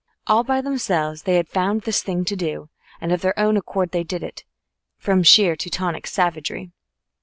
All by themselves they had found this thing to do, and of their own accord they did it, from sheer Teutonic savagery.